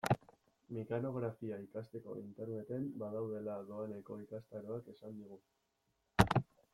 Mekanografia ikasteko Interneten badaudela doaneko ikastaroak esan digu.